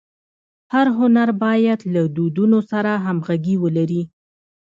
هر هنر باید له دودونو سره همږغي ولري.